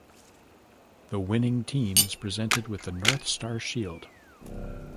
The winning team is presented with the North Star Shield.